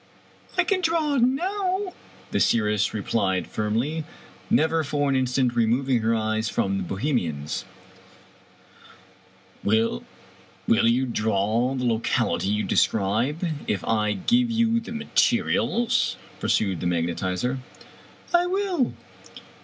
" I can draw now" the seeress replied firmly, never for an instant removing her eyes from the Bohemian's. " Will you draw the locality you describe, if I give you the materials ?" pursued the magnetizer. " I will."